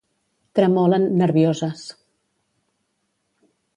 Tremolen, nervioses.